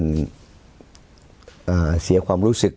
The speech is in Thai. ความเห็นอะไรที่มันจะไปทำให้พี่น้องบริษัทชน